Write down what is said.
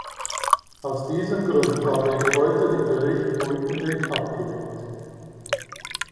Aus diesem Grund habe ich heute den Bericht Buitenweg abgelehnt.